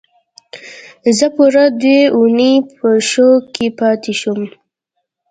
زه پوره دوه اونۍ په شوک کې پاتې شوم